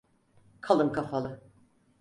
Kalın kafalı.